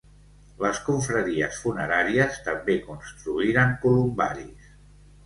Les confraries funeràries també construïren columbaris.